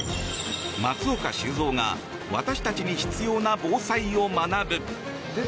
松岡修造が私たちに必要な防災を学ぶ。